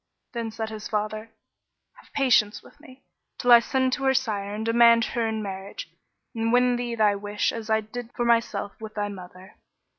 Then said his father, "Have patience with me, till I send to her sire and demand her in marriage, and win thee thy wish as I did for myself with thy mother.